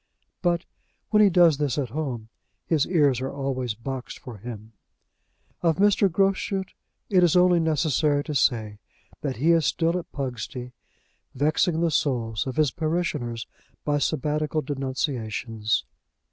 But when he does this at home, his ears are always boxed for him. Of Mr. Groschut it is only necessary to say that he is still at Pugsty, vexing the souls of his parishioners by Sabbatical denunciations.